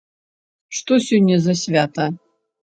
Што сёння за свята?